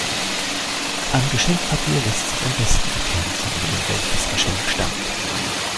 Am Geschenkpapier lässt sich am besten erkennen, von wem welches Geschenk stammt.